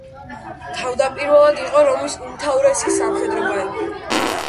თავდაპირველად იყო რომის უმთავრესი სამხედრო ბანაკი.